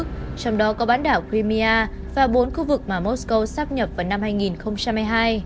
trong đó có bán đảo krimia và bốn khu vực mà mosco sắp nhập vào năm hai nghìn hai mươi hai